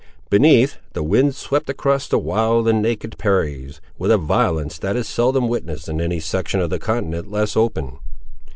Beneath, the wind swept across the wild and naked prairies, with a violence that is seldom witnessed in any section of the continent less open.